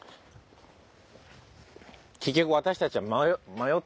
結局私たちは。